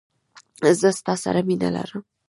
زه ستا سره مینه لرم.